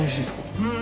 うん。